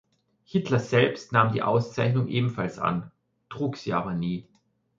Hitler selbst nahm die Auszeichnung ebenfalls an, trug sie aber nie.